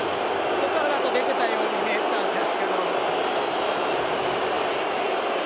ちょっと出てたように見えてたんですけど。